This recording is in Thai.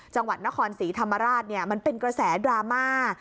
จังหวัดนครศรีธรรมราชมันเป็นกระแสดราม่า